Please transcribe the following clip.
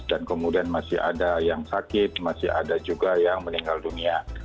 dan kemudian masih ada yang sakit masih ada juga yang meninggal dunia